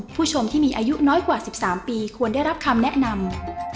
ผู้ชมที่มีอายุน้อยกว่า๑๓ปีควรได้รับคำแนะนำ